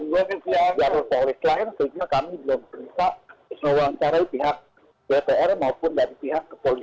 masih di dalam jualan dari polis lain